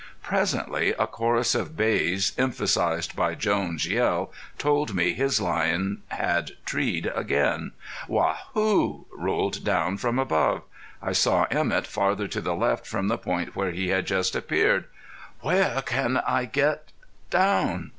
Presently a chorus of bays, emphasized by Jones' yell, told me his lion had treed again. "Waa hoo!" rolled down from above. I saw Emett farther to the left from the point where he had just appeared. "Where can I get down?"